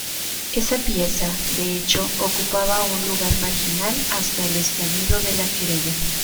Esa pieza, de hecho, ocupaba un lugar marginal hasta el estallido de la querella.